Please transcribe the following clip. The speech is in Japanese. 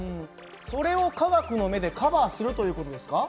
それを科学の目でカバーするという事ですか？